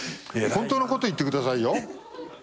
本当のこと言ってくださいよ。